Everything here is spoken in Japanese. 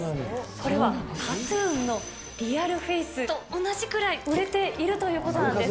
これはＫＡＴーＴＵＮのＲｅａｌＦａｃｅと同じくらい売れているということなんです。